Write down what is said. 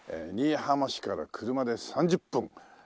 新居浜市から車で３０分